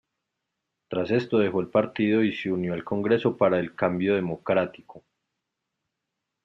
Tras esto dejó el partido y se unió al Congreso para el Cambio Democrático.